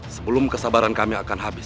sebelum kesabaran kami akan habis